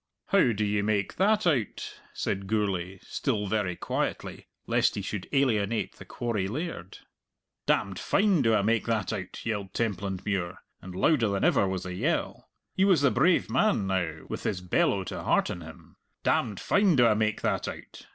"How do ye make that out?" said Gourlay, still very quietly, lest he should alienate the quarry laird. "Damned fine do I make that out," yelled Templandmuir, and louder than ever was the yell. He was the brave man now, with his bellow to hearten him. "Damned fine do I make that out.